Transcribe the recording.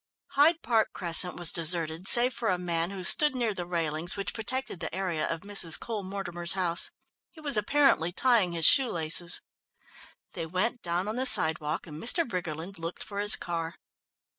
Hyde Park Crescent was deserted save for a man who stood near the railings which protected the area of Mrs. Cole Mortimer's house. He was apparently tying his shoe laces. They went down on the sidewalk, and Mr. Briggerland looked for his car.